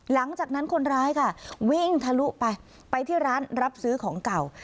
หลังจากนั้นคนร้ายค่ะวิ่งทะลุไปไปที่ร้านรับซื้อของเก่า